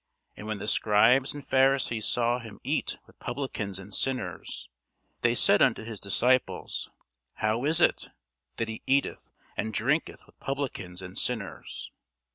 And when the scribes and Pharisees saw him eat with publicans and sinners, they said unto his disciples, How is it that he eateth and drinketh with publicans and sinners?